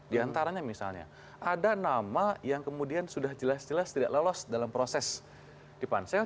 di antaranya misalnya ada nama yang kemudian sudah jelas jelas tidak lolos dalam proses di pansel